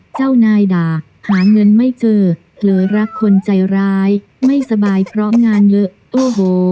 เจ้านายด่าหาเงินไม่เจอเผลอรักคนใจร้ายไม่สบายเพราะงานเยอะโอ้โห